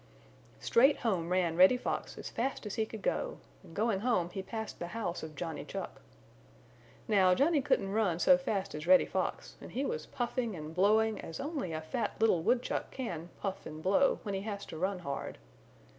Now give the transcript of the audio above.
Straight home ran Reddy Fox as fast as he could go, and going home he passed the house of Johnny Chuck. Now Johnny couldn't run so fast as Reddy Fox and he was puffing and blowing as only a fat little woodchuck can puff and blow when he has to run hard.